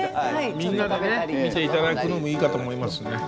みんなで見て頂くのもいいかと思います。